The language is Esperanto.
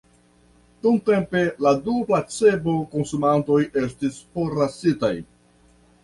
Dumtempe la du placebo-konsumantoj estis forlasitaj.